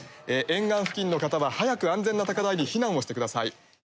沿岸付近の方は早く安全な高台に避難をしてください。